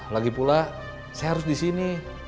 lagipula saya harus di sini